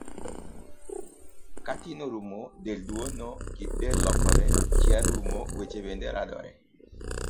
Ka tin orumo, del duono, kit del lokore, chia rumo, weche bende radore.